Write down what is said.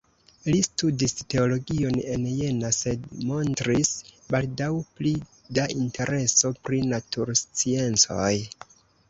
Li studis teologion en Jena sed montris baldaŭ pli da intereso pri natursciencoj.